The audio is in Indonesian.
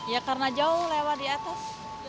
ya karena jauh lewat di atas